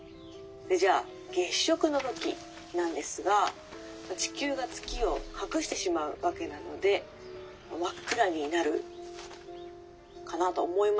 じゃあ月食の時なんですが地球が月を隠してしまうわけなので真っ暗になるかなと思いますよね？